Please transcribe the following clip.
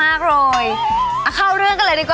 แอร์โหลดแล้วคุณล่ะโหลดแล้ว